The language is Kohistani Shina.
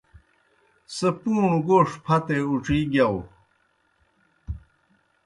سہ پُوݨوْ گوݜ پھتے اُڇِی گِیاؤ۔